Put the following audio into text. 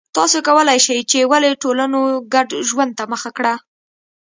تاسو کولای شئ چې ولې ټولنو ګډ ژوند ته مخه کړه